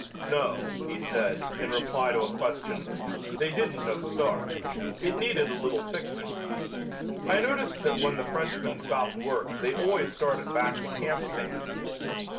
"No," he said, in reply to a question, "they didn't just start. It needed a little fixing. I noticed that when the Frenchmen stopped work they always started back to camp singing.